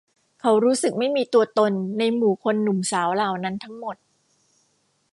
เขารู้สึกไม่มีตัวตนในหมู่คนหนุ่มสาวเหล่านั้นทั้งหมด